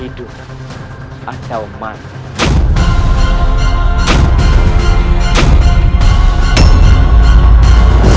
hidup atau mati